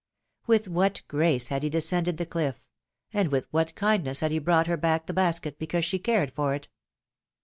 With what grace had he descended the cliff, and with what kindness had he brought her back the basket, because she cared for it